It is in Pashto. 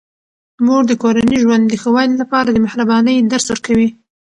مور د کورني ژوند د ښه والي لپاره د مهربانۍ درس ورکوي.